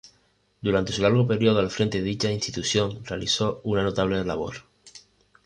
Durante su largo periodo al frente de dicha institución, realizó una notable labor.